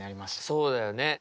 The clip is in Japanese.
そうだよね。